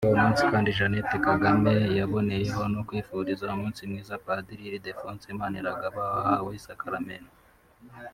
Kuri uwo munsi kandi Jeannette Kagame yaboneyeho no kwifuriza umunsi mwiza Padiri Ildephonse Maniragaba wahawe isakaramentu ry’ubusaserdoti